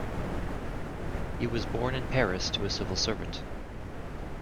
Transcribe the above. He was born in Paris to a civil servant.